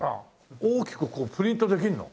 大きくこうプリントできるの？